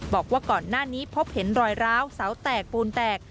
บอกว่าก่อนหน้านี้พบเห็นรอยร้าวเสาแตกปูนแตก